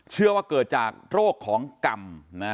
เชื่อว่าเกิดจากโรคของกรรม